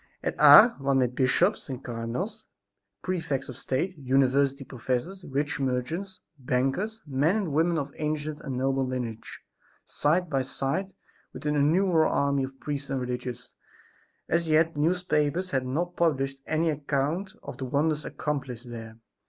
At Ars one met bishops and cardinals, prefects of state, university professors, rich merchants, bankers, men and women of ancient and noble lineage, side by side with an innumerable army of priests and religious. As yet the newspapers had not published any account of the wonders accomplished there.